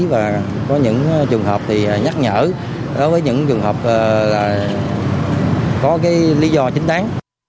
và có những trường hợp thì nhắc nhở với những trường hợp có cái lý do chính đáng